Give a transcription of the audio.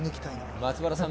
松原さん